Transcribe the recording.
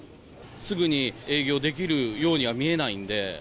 すぐに営業できるようには見えないんで。